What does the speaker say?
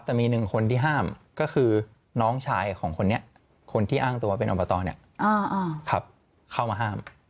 แต่มีหนึ่งคนที่ห้ามก็คือน้องชายของคนนี้คนที่อ้างตัวเป็นอบตขับเข้ามาห้าม